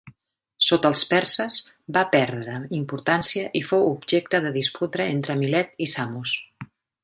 Sota els perses, va perdre importància i fou objecte de disputa entre Milet i Samos.